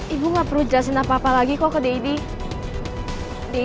ibu gak perlu jelasin apa apa lagi kok ke deddy